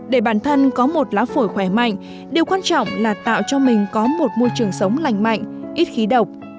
để bản thân có một lá phổi khỏe mạnh điều quan trọng là tạo cho mình có một môi trường sống lành mạnh ít khí độc